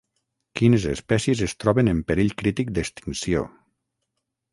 Quines espècies es troben en perill crític d'extinció?